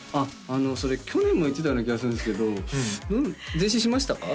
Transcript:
それ去年も言ってたような気がするんですけど前進しましたか？